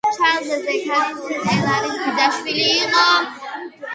ჩარლზი, ზაქარი ტეილორის ბიძაშვილი იყო.